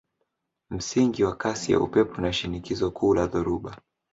Msingi wa kasi ya upepo na shinikizo kuu la dhoruba